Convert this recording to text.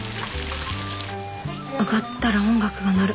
揚がったら音楽が鳴る。